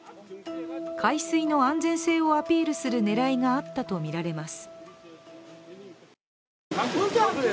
海水の安全性をアピールする狙いがあったとみられます。